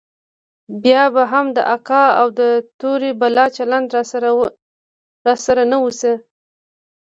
بيا به هم د اکا او د تورې بلا چلند راسره نه و ښه.